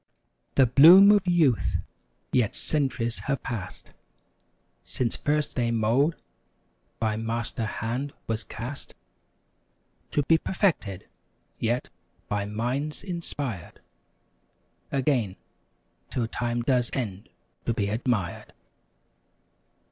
The bloom of youth! yet, centuries have passed Since first thy mold by Master hand was cast, To be perfected, yet, by minds inspired— Again, 'till time does end to be admired.